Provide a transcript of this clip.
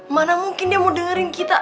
mana mungkin dia mau dengerin kita